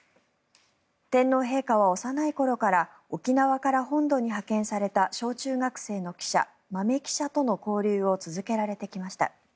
天皇陛下は幼い頃から沖縄から本土へ派遣された小中学生の記者、豆記者との交流を続けられてきました。